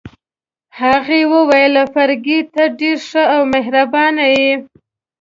هغې وویل: فرګي، ته ډېره ښه او مهربانه يې.